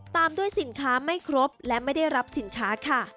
ตามด้วยสินค้าไม่ครบและไม่ได้รับสินค้าค่ะ